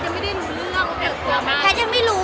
ยังไม่ได้รู้เรื่องแพทย์ยังไม่รู้